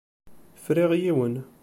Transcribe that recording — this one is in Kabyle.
Friɣ yiwen.